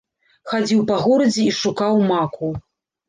Хадзіў па гародзе і шукаў маку.